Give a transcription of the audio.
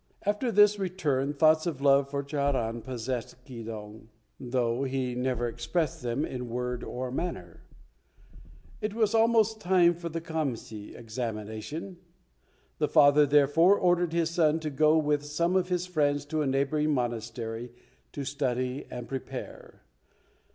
After this return thoughts of love for Charan possessed Keydong, though he never expressed them in word or manner. It was almost the time of the Kam see Examination. The father, therefore, ordered his son to go with some of his friends to a neighbouring monastery to study and prepare.